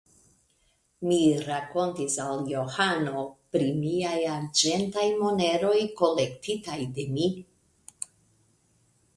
Mi rakontis al Johano pri miaj arĝentaj moneroj kolektitaj de mi.